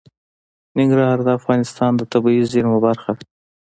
ننګرهار د افغانستان د طبیعي زیرمو برخه ده.